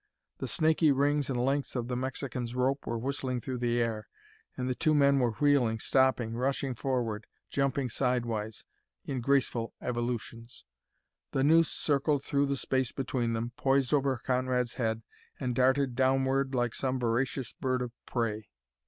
The snakey rings and lengths of the Mexican's rope were whistling through the air, and the two men were wheeling, stopping, rushing forward, jumping sidewise, in graceful evolutions. The noose circled through the space between them, poised over Conrad's head, and darted downward like some voracious bird of prey.